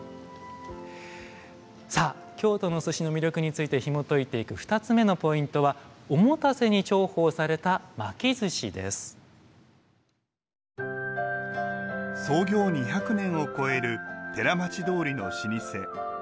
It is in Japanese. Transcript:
さあ京都の寿司の魅力についてひもといていく２つ目のポイントは創業２００年を超える寺町通りの老舗。